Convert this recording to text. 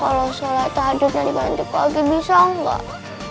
kalau sholat tahajudnya dibantu pagi bisa enggak